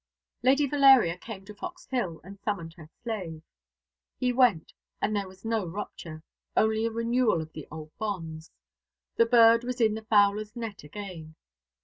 Lady Valeria came to Fox Hill, and summoned her slave. He went, and there was no rupture only a renewal of the old bonds. The bird was in the fowler's net again.